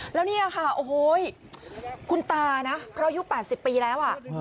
แล้วเนี่ยค่ะโอ้โหคุณตานะเพราะอายุ๘๐ปีแล้ว